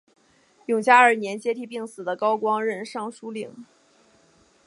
永嘉二年接替病死的高光任尚书令。